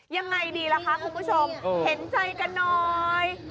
ยังไงดีล่ะคะคุณผู้ชมเห็นใจกันหน่อย